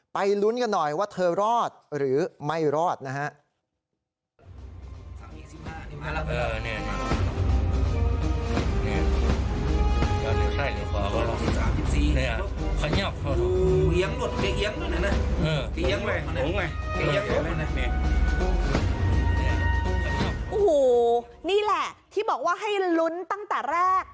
นี่มาแล้วคุณก่อนโอ้โหนี่ละที่บอกว่าให้ลุ้นตั้งแต่แรก